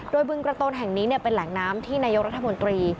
โดยบึงกระโตนแห่งนี้เป็นแหล่งน้ำที่นายกรัฐมนตรี